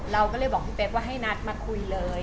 เราก็เลยบอกพี่เป๊กว่าให้นัดมาคุยเลย